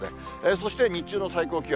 そして日中の最高気温。